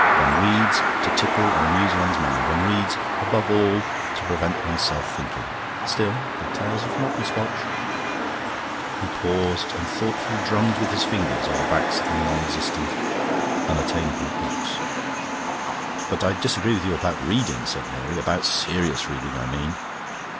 One reads to tickle and amuse one's mind; one reads, above all, to prevent oneself thinking. Still the 'Tales of Knockespotch'..." He paused, and thoughtfully drummed with his fingers on the backs of the non existent, unattainable books. "But I disagree with you about reading," said Mary. "About serious reading, I mean."